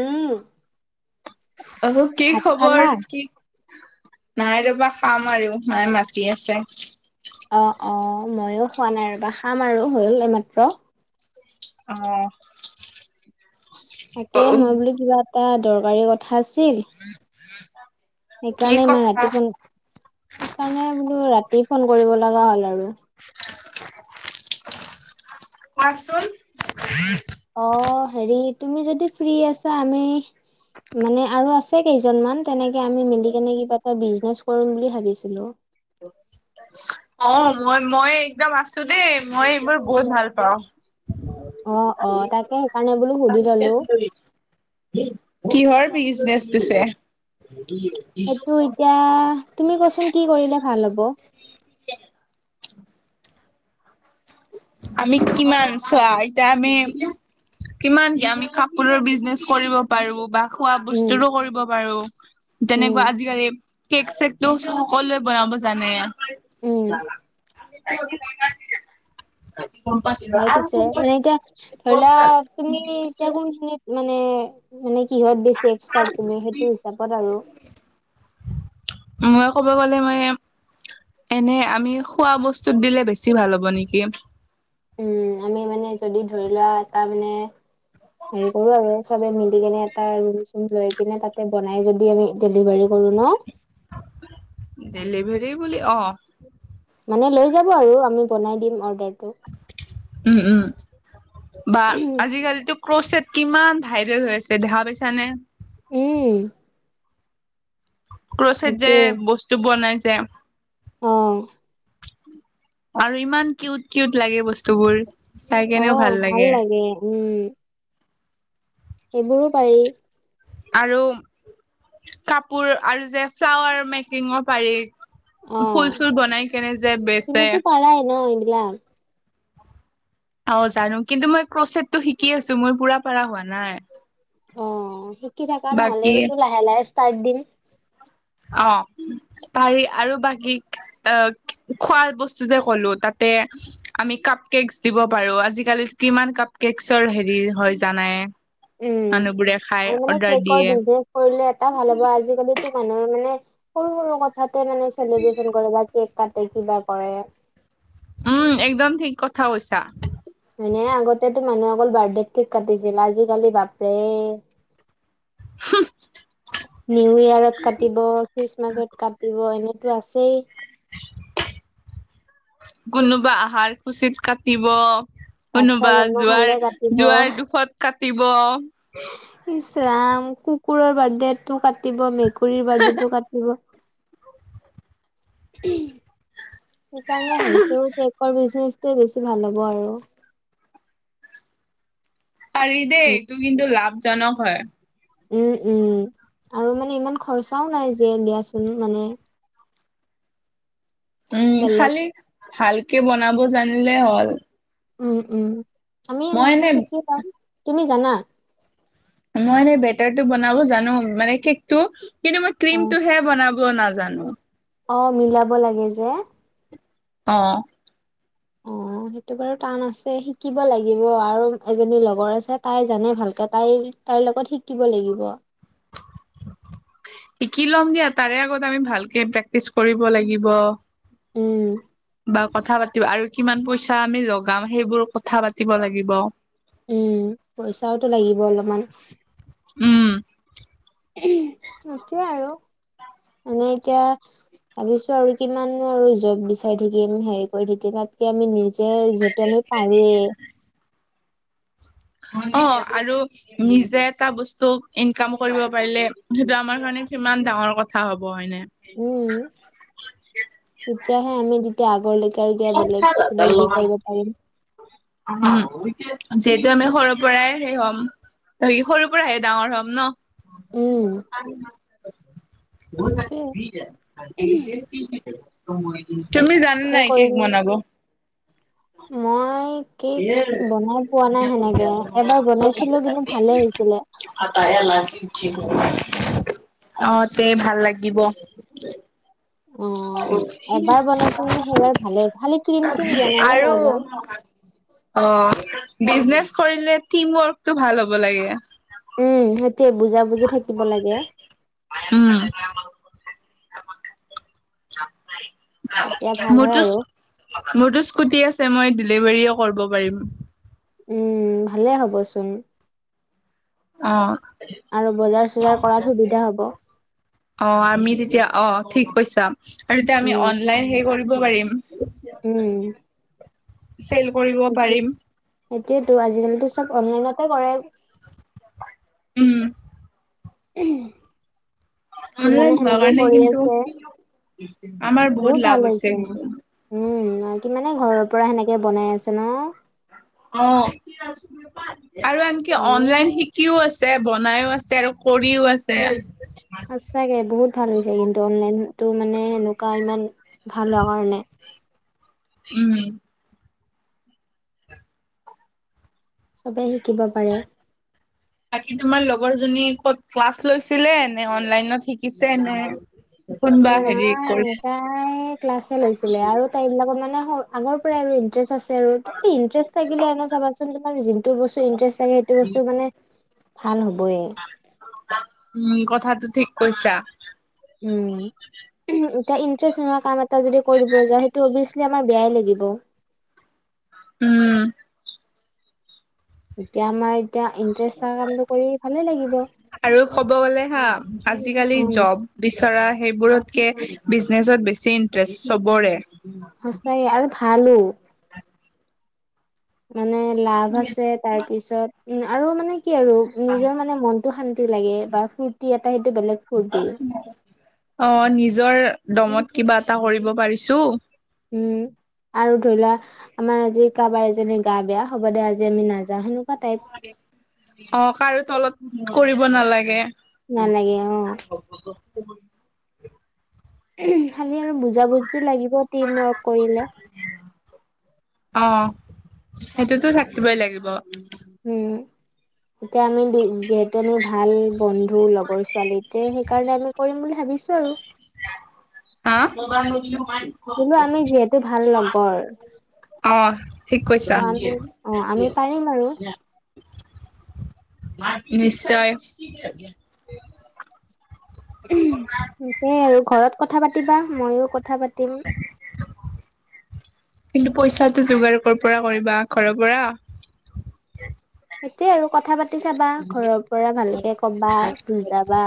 উম। অ' কি ভাত খালা খবৰ? কি নাই ৰ'বা খাম আৰু, মাই মাতি আছে। অ', অ' ময়ো খোৱা নাই ৰ'বা, খাম আৰু হ'ল এইমাত্ৰ। অ'। অ, তাকে মই বোলো কিবা এটা দৰকাৰী কথা আছিল [inaudible] কি সেইকাৰণে ইমান কথা ৰাতি ফোন, সেইকাৰণে বোলো ৰাতি ফোন কৰিব লগা হ'ল আৰু। কোৱাচোন? অ' হেৰি তুমি যদি ফ্ৰী আছা আমি মানে আৰু আছে কেই জনমান তেনেকে আমি মিলি কেনে কিবা এটা বিজনেচ কৰিম বুলি ভাবিছিলোঁ। অ' মই মই একদম আছোঁ দেই। মই এইবোৰ বহুত ভাল পাওঁ। অ', অ' তাকে সেইকাৰণে বোলো সুধি ললোঁ। কিহৰ বিজনেচ পিছে? সেইটো এতিয়া, তুমি কোৱাচোন কি কৰিলে ভাল হ'ব? আমি কিমান চোৱা এতিয়া আমি কিমান কি আমি কাপোৰৰ বিজনেচ কৰিব পাৰোঁ বা খোৱা উম বস্তুো কৰিব পাৰোঁ উম যেনেকুৱা আজিকালি কেক চেকটো সকলোৱে বনাব জানে। উম [unintelligible] হয় পিছে মানে এতিয়া ধৰি লোৱা তুমি এতিয়া কোনখিনিত মানে মানে কিহত বেছি এক্সপাৰ্ট তুমি সেইটো হিচাপত আৰু। মই ক'ব গ'লে ময়ে এনে আমি খোৱা বস্তুত দিলে বেছি ভাল হ'ব নেকি। উম, আমি মানে যদি ধৰি লোৱা তাৰমানে হেৰি কৰোঁ আৰু চবে মিলি কেনে এটা ৰুম চুম লৈ পিনে তাতে বনাই যদি আমি ডেলিভাৰী কৰোঁ ন' ডেলিভাৰী বুলি, অ'। মানে লৈ যাব আৰু আমি বনাই দিম অৰ্ডাৰটো। উম, উম। বা আজিকালিতো ক্ৰচেট কিমান ভাইৰেল হৈ আছে দেখা পাইছানে? উম। ক্ৰচেট যে সেইটোৱে বস্তু বনাই যে। অঁহ। আৰু ইমান কিউট কিউট লাগে বস্তুবোৰ, চাই কেনেও ভাল লাগে। উম। সেইবোৰো পাৰি। আৰু, কাপোৰ আৰু যে ফ্লাৱাৰ মেকিঙৰ পাৰি। অ ফুল চুল বনাই কেনে যে বেচে। তুমিতো পাৰাই ন বিলাক। অ জানো কিন্তু মই ক্ৰচটটো শিকি আছো মই পুঢৰা পাৰা হোৱা নাই। অ শিকি থকা নহলে বাকী এইটো লাহে লাহে ষ্টাৰ্ট দিম। অ পাৰি আৰু বাকী, অ খোৱা বস্তু যে ক'লো তাতে- আমি কাপ কেকচ দিব পাৰো আজিকালি কিমান কাপ কেকচৰ হেৰি হয় জানাই। উম, মানুহবোৰে খাই আৰু মানে অৰ্ডাৰ কেকৰ দিয়ে বিজনেছ - কৰিলে এটা ভাল হ'ব আজিকালিতো মানুহে মানে, সৰু সৰু কথা- তে মানে চেলিব্ৰেচন কৰে বা কেক কাটে কিবা কৰে। উম একদম ঠিক কথা কৈছা। মানে আগতেো মানুহে অকল বাৰ্থডে কেক কাটিছিল আজিকালি বাপৰে- নিউ ইয়াৰত কাটিব খ্ৰীষ্টমাছত কাটিব এনে- তো আছেই। কোনোবা আহাৰ খুচিত কাটিব। বাচ্ছা কোনোবা জন্ম হ'লে জোৱাৰ কাটিব জোৱাৰ দুখত কাটিব। ইচৰাম কুকুৰৰ বাৰ্থডেটো কাটিব মেকুৰী - বাৰ্থডেটো কাটিব। সেইকাৰণে ভাবিছো কেকৰ বিজনেচয়ে বেছি ভাল হ'ব আৰু। পাৰি দেই এইটো কিন্তু লাভজনক হয়। উম উম, আৰু মানে ইমান খৰচাও নাই যে দিয়াচোন মানে- উম বেলেগ খালি, ভালকে বনাব জানিলে হ'ল। উম উম, আমি মই নহলে এনে শিকি লম, তুমি জানা? মই এ বেটাৰ টো বনাব জানো মানে কেক টো কিন্তু মই ক্ৰ্ৰীম অ', টো হে বনাব- নাজানো। অ মিলাব লাগে যে। অ অ সেইটো বাৰু টান আছে শিকিব লাগিব আৰু এজনী লগৰ আছে তাই জানে ভালকে তাই- তাৰ লগত শিকিব লাগিব। শিকি ল'ম দিয়া তাৰে আগত আমি ভালকে প্ৰেক্টিচ কৰিব লাগিব। উম। বা কথা পাতিব আৰু কিমান পইচা আমি লগাম সেইবোৰ কথা পাতিব লাগিব। উম, পইচাওটো লাগিব অলপমান। উম। সেইটোয়ে আৰু, মানে এতিয়া- ভাবিছো আৰু কিমান আৰু জব বিচাৰি থাকিম হেৰি কৰি থাকিম তাতকে- আমি নিজে যিহেতু আমি পাৰোৱেই। অ আৰু- নিজে এটা বস্তু ইনকাম কৰিব পাৰিলে সেইটো আমাৰ কাৰণে সমান ডাঙৰ কথা হব হয়নে। উম, তেতিয়া আহে আমি যেতিয়া আগৰ - তই দিয়া বেলেগ কিবা কিবি কৰিব পাৰিম। উ যিহেতু আমি সৰুৰ পৰাই সেই হ'ম। আমি সৰু পৰা আহে ডাঙৰ হ'ম ন। উম সেইটোয়ে তুমি যা যানা সেই নাই কৰিম কেক বনাব। মই- কে বনাই পোৱা নাই। সেনেকে এবাৰ বনাইছিলো কিন্তু ভালে হৈছিলে। উ অ তে ভাল লাগিব। অ এবাৰ বনাইছিলি নে সেইবাৰ ভালে ভালি ক্ৰীম চিম দিয়া নাই নে আৰু নৰ্মেল। অ বিজনেচ কৰিলে টিম ৱৰ্কটো ভাল হ'ব লাগে। উম সেইটোয়ে বুজা বুজি থাকিব লাগে। উম তেতিয়া ভাল হয় মোৰতো আৰু মোৰতো স্কুটি, আছে মই ডেলিভাৰী কৰিব পাৰিম। উম ভালে হবচোন। অ আৰু বজাৰ চজাৰ কৰাত সুবিধা হব। অ আমি তেতিয়া অ ঠিক কৈছা আৰু তেয়া আমি উম অনলন হেৰি কৰিব। পাৰিব পাৰিম। উম চেল কৰিব পাৰিম। এইতো আজিকালি চব অনলাইনতে কৰে। উম উম অনলাইন হোৱাৰ কাৰণে আছে কিন্তু আমাৰ বহুত ভাল লাভ লাগিছে হৈছে। কিন্তু উম কিমানে ঘৰৰ পৰা সেনেকে বনাই আছে ন। অ আৰু আনকি ভালে অনলাইন শিক শিকিও আছে বনাইও আছে আৰু কৰিও আছে। সঁচাগে বহুত ভাল হৈছে কিন্তু অনলাইনতো মানে এনেকুৱা ইমান ভাল হোৱা কাৰণে- উম চবেই শিকিব পাৰে। বাকী তোমাৰ লগৰ জনী ক'ত ক্লাছ লৈছিলে নে অনলাইনত শিকিছে নে। উ নাই তাই ক্লাছ লৈছিলে আৰু তাইৰ এইবিলাক মানে। আগৰ পৰাই আৰু ইন্টাৰেষ্ট আছে। ইটাৰেষ্ট লাগিলে চাবাচোন তোমাৰ যোনটো বস্তু ইণ্টাৰেষ্ট লাগে সেইটো বস্তু মানে। ভাল হ'বই- উম কথাতটো ঠিক কৈছা। উম এতিয়া ইন্টাৰেষ্ট নোহোৱা কাম এটা যদি কৰিব যা সেইটো অবিচ- কি আমাৰ বেয়াই লাগিব। উম এতিয়া আমাৰ এতিয়া। ইন্টাৰেষ্ট থকা কামটো কৰি ভালে লাগিব আৰু কব গলে হা আজিকালি উম, জব। বিচৰা সেইবোৰতকে বিজনেচত বেছি ইন্টাৰেষ্ট চবৰে। সঁচাইে আৰু ভালো। মানে লাভ আছে। তাৰ পিছত উ আৰু মানে কি? আৰু নিজৰ মানে মনটো শান্তি লাগে বা ফূৰ্তি এটা সেইটো বেলেগ ফূৰ্তি অ নিজৰ দমত কিবা এটা কৰিব পাৰিছো উম আৰু ধৰি লোৱা আমাৰ আজি কাৰোবাৰ এজনী গা বেয়া হ'ব দে আজি আমি নাযাও সেনে অ কাৰো তলত কৰিব নালাগে নালাগে অ', [unintelligible] খালি আৰু বুজা বুজি লাগিব টিম ৱৰ্ক কৰিলে অ সেইটোতো থাকিবই লাগিব উম এতিয়া আমি দুই যিহেতু আমি ভাল বন্ধু লগৰ ছোৱালী তে সেইকাৰণে আমি কৰিম বুলি ভাবিছো আৰু অ বোলো আমি যিহেতু ভাল লগৰ অ ঠিক কৈছা ত আমি অ আমি পাৰিম আৰু নিশ্চয় উমহ সেইটোৱে আৰু ঘৰত কথা পাতিবা ময়ো কথা পাতিম কিন্তু পইচাটো যোগাৰ কৰ পৰা কৰিবা ঘৰৰ পৰা সেইটোৱে আৰু কথা পাতি চাবা ঘৰৰ পৰা ভালকে কবা বুজাবা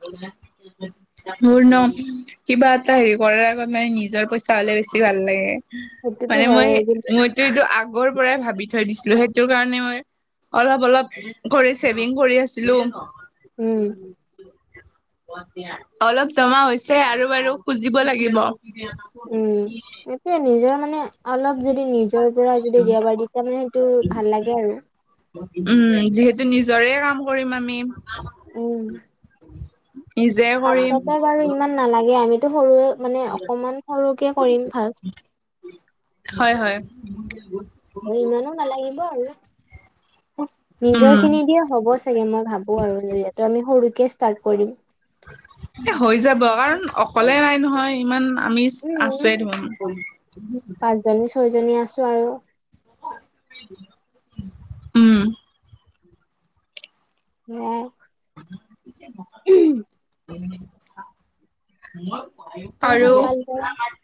বুজাম মোৰ ন কিবা এটা হেৰি কৰাৰ আগত মানে নিজৰ পইচা হলে বেছি ভাল লাগে সেইটোতো মানে মই হয়েই কিন্তু মইতো এইটো আগৰ পৰাই ভাবি থৈ দিছিলো সেইটো কাৰণে মই অলপ অলপ কৰি চেভিং কৰি আছিলো। উম হব দিয়া অলপ জমা হৈছে আৰু বাৰু খুজিব লাগিব এই নিজৰ মানে অলপ যদি নিজৰ পৰা যদি দিব পাৰি তেতিয়া মানে সেইটো ভাল লাগে আৰু উম যিহেতু নিজৰে কাম কৰিম আমি অ নিজে কৰিম। ফাৰ্ষ্টতে বাৰু ইমান নালাগে আমিতো সৰুৱে মানে অকমান সৰুকে কৰিম ফাৰ্ষ্ট হয় হয় এই ইমানো নালাগিব আৰু উম নিজৰ খিনি দিয়ো হ'ব চাগে মই ভাবো আৰু যিহেতু আমি সৰুকে ষ্টাৰ্ট কৰিম এ হৈ যাব কাৰণ অকলে নাই নহয় ইমান আমি আছোৱে দেখোন বহুত জনী ছয়জনী আছো আৰু উম সেয়াই [unintelligible] তাকে আৰু সোনকাল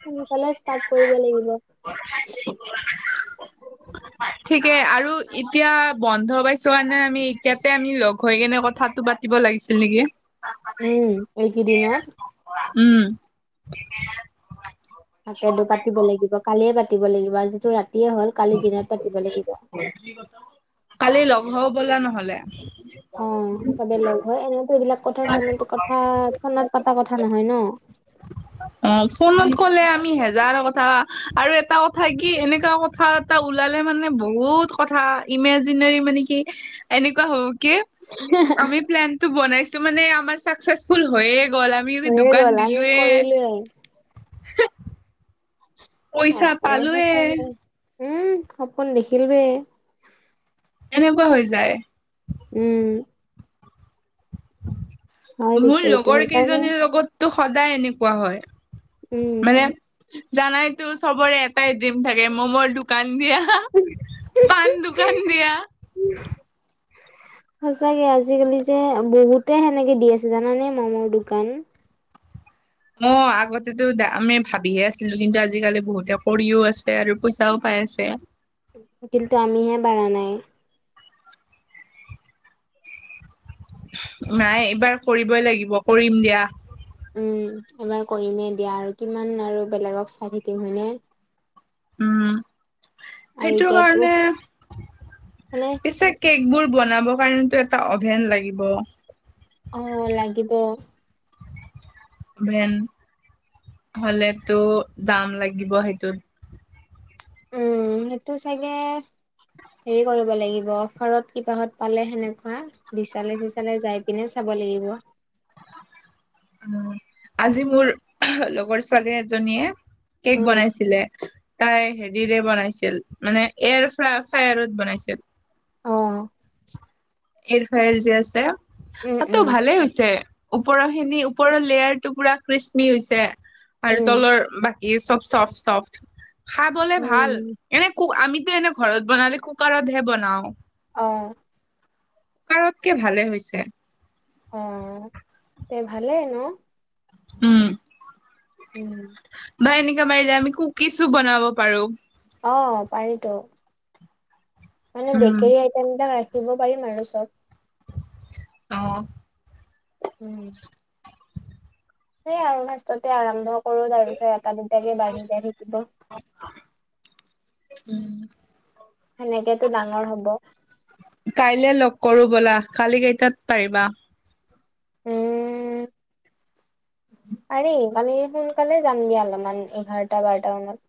সোনকালে ষ্টাৰ্ট কৰিব লাগিব [unintelligible] ঠিকে আৰু এতিয়া বন্ধ পাইছো কাৰনে আমি এতিয়াতে আমি লগ হৈ কেনে কথা টো পাতিব লাগিছিল নেকি উম এইকেইদিনত উম তাকেতো পাতিব লাগিব কালিয়ে পাতিব লাগিব আজিতো ৰাতিয়ে হ'ল কালি দিনত পাতিব লাগিব। কালি লগ হও বলা নহলে অ চবে লগ হয় এনেতো এইবিলাক কথা ফোনত কথা ফোনত পতা কথা নহয় ন [inaudible] অ ফোনত কলে আমি হেজাৰ কথা আৰু এটা কথা কি এনেকা কথাত টা ওলালে মানে বহুত কথা ইমেজিনেৰি মানে কি এনেকুৱা হব কি আমি প্লেনটো বনাইছোঁ মানে আমাৰ চাকচেচফুল হৈয়ে গ'ল আৰু তুমি যদি দোকান দিলোয়ে উম পইচা বাপৰে পালোয়ে সঁচাকে। উম সপোন দেখিলোৱে এনেকুৱা হৈ যায় উম হয় পিছে মোৰ এইটো লগৰ সেইকাৰণে কেইজনীৰ লগত তেওঁৰ সদায় এনেকুৱা উম হয় মানে জানাইতো চবৰে এটাই ড্ৰিম থাকে মমৰ দোকান দিয়া পাণ দোকান দিয়া উম সঁচাকে আজিকালি যে বহুতে সেনেকে দি আছে জানানে মমৰ দোকান অ আগতেো আমি ভাবিহে আছিলু কিন্তু আজিকালি বহুতে কৰিও আছে আৰু পইচাও পাই আছে কিন্তু আমিহে পাৰা নাই নাই এইবাৰ কৰিবই লাগিব কৰিম দিয়া উম এইবাৰ কৰিমে দিয়া আৰু কিমান আৰু বেলেগক চাই থাকিম হয়নে উম আৰু সেইটো এতিয়াতো কাৰণে মানে পিছে কেক বোৰ বনাব কাৰণেটো এটা অভেন লাগিব অ লাগিব অভেন হলেতো দাম লাগিব সেইটোত উম সেইটো চাগে হেৰি কৰিব লাগিব অফাৰত কিবাহত পালে সেনেকুৱা বিচালে চিচালে যাই পিনে চাব লাগিব আজি মোৰ লগৰ ছোৱালী এজনীয়ে কেক উম বনাইছিলে তাই হেৰিৰে বনাইছিল মানে এয়াৰ ফ ফায়াৰত বনাইছিল অ এৰফাইৰ যে আছে উম তাতো উম ভালে হৈছে ওপৰৰ খিনি ওপৰৰ লেয়াৰ টো পুৰা কৃস্মি হৈছে আৰু উম তলৰ বাকী ই চব চফট চফট খাবলে ভাল উম এনে ক আমিতো এনে ঘৰত বনালে কুকাৰতহে বনাওঁ অ কাৰতকে ভালে হৈছে অ তে ভালে ন উম উম বা এনেকা মাৰি যায় আমি কুকিজো বনাব পাৰো অ পাৰিতো মানে উম বেকাৰী আইটেম বিলাক ৰাখিব পাৰিম আৰু চব অ উম সেয়া আৰু ফাষ্টতে আৰম্ভ কৰোঁ তাৰ পিছত এটা দুটাকে বাঢ়ি যায় থাকিব উম সেনেকেতো ডাঙৰ হব কাইলে লগ কৰোঁ ব'লা কালি কেইটাত পাৰিবা উম পাৰি কালি সোনকালে যাম দিয়া অলপমান এঘাৰটা বাৰটা মানত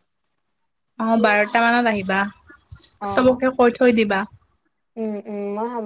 অহ বাৰটা মানত আহিবা অ চবকে কৈ থৈ দিবা উম উম মই